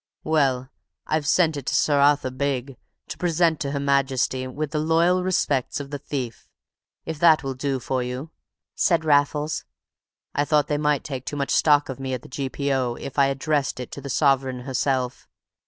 "Well, I've sent it to Sir Arthur Bigge, to present to her Majesty, with the loyal respects of the thief, if that will do for you," said Raffles. "I thought they might take too much stock of me at the G.P.O. if I addressed it to the Sovereign herself.